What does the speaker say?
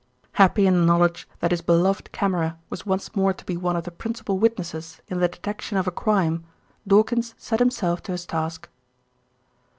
Happy in the knowledge that his beloved camera was once more to be one of the principal witnesses in the detection of a crime, Dawkins set himself to his task.